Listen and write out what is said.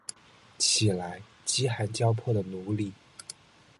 起来，饥寒交迫的奴隶！